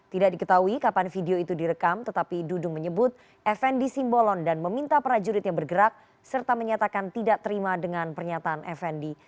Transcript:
tidak diketahui kapan video itu direkam tetapi dudung menyebut fnd simbolon dan meminta prajuritnya bergerak serta menyatakan tidak terima dengan pernyataan fnd